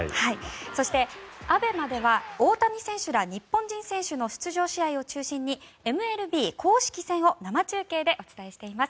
そして、ＡＢＥＭＡでは大谷選手ら日本人選手の出場試合を中心にＭＬＢ公式戦を生中継でお伝えしています。